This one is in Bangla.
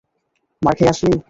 মার খেয়ে আসলি!